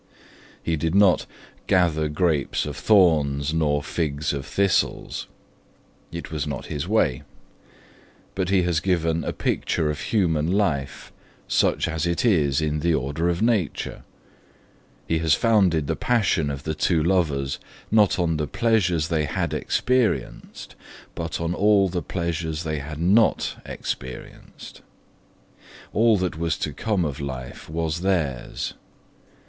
He did not 'gather grapes of thorns nor figs of thistles'. It was not his way. But he has given a picture of human life, such as it is in the order of nature. He has founded the passion of the two lovers not on the pleasures they had experienced, but on all the pleasures they had NOT experienced. All that was to come of life was theirs.